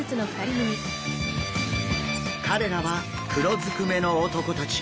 彼らは黒ずくめの男たち。